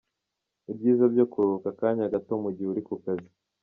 Ibyiza byo kuruhuka akanya gato mu gihe uri ku kazi.